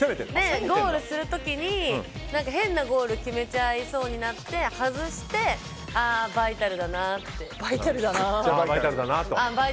ゴールする時に変なゴールを決めちゃいそうになって外して、ああバイタルだなって。